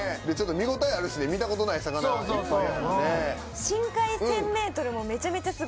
見応えあるしね見たことない魚がいっぱい。